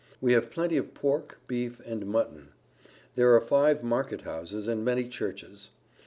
We have plenty of pork, beef and mutton. There are five market houses and many churches.